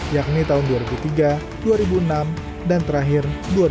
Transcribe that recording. yakni tahun dua ribu tiga dua ribu enam dan terakhir dua ribu enam belas